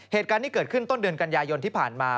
เหตุการณ์ที่เกิดขึ้นต้นเดือนกันยายนที่ผ่านมา